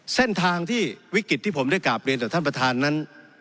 เส้นทางที่วิกฤตที่ผมได้กราบเรียนต่อท่านประธานนั้น